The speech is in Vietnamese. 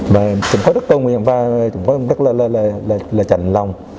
và chúng tôi rất cầu nguyện và chúng tôi rất là chẳng lòng